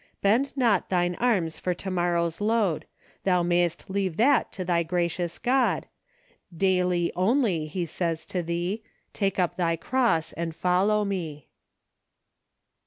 Bend not thine arms for to morrow's load, Thou mayest leave that to thy gracious God, Daily, only he says to thee, ' Take up thy cross and follow me.